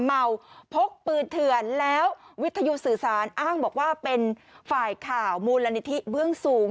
เมาพกปืนเถื่อนแล้ววิทยุสื่อสารอ้างบอกว่าเป็นฝ่ายข่าวมูลนิธิเบื้องสูง